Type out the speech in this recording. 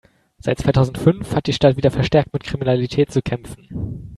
Seit zweitausendfünf hat die Stadt wieder verstärkt mit Kriminalität zu kämpfen.